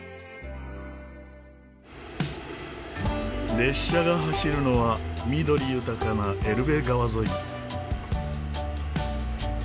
列車が走るのは緑豊かなエルベ川沿い。